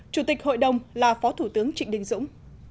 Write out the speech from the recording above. chủ tịch hội đồng là phó thủ tướng trịnh đình dũng